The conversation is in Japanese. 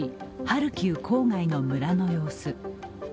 ハルキウ郊外の村の様子。